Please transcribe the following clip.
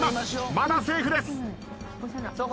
まだセーフです。